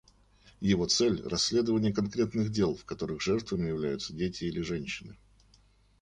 Его цель — расследование конкретных дел, в которых жертвами являются дети или женщины.